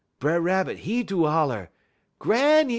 B'er Rabbit, 'e do holler: "'_Granny!